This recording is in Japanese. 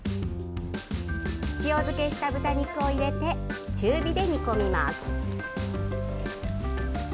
塩漬けした豚肉を入れて、中火で煮込みます。